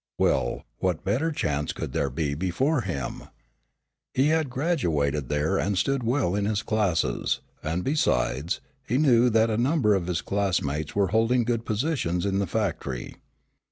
Well, what better chance could there be before him? He had graduated there and stood well in his classes, and besides, he knew that a number of his classmates were holding good positions in the factory.